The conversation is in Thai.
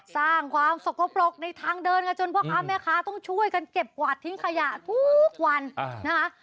สร้างความสกปรกในทางเดินกันจนพ่อค้าแม่ค้าต้องช่วยกันเก็บกวาดทิ้งขยะทุกวันนะคะ